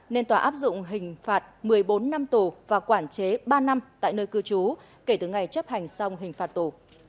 nên tòa áp dụng hình phạt một mươi bốn năm tù và quản chế ba năm tại nơi cư trú kể từ ngày chấp hành xong hình phạt tù